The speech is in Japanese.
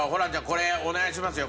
これお願いしますよ。